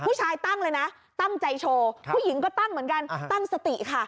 ตั้งเลยนะตั้งใจโชว์ผู้หญิงก็ตั้งเหมือนกันตั้งสติค่ะ